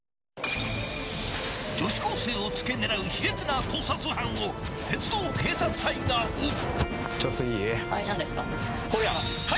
女子高生を付け狙う卑劣な盗撮犯を鉄道警察隊が追う。